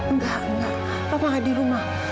nggak nggak papa nggak di rumah